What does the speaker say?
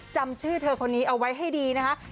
จำชื่อเธอคนนี้เอาไว้ให้ดีนะคะ